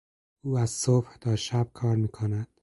او از صبح تا شب کار می کند.